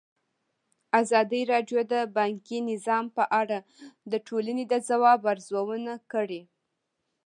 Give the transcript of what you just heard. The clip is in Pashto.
ازادي راډیو د بانکي نظام په اړه د ټولنې د ځواب ارزونه کړې.